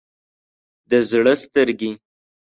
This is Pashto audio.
د زړه سترګې